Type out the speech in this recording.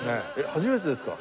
初めてですか？